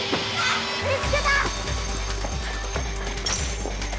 見つけた！